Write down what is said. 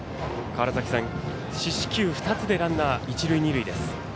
四死球２つでランナー、一塁二塁です。